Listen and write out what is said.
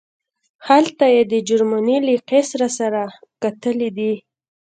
هلته یې د جرمني له قیصر سره کتلي دي.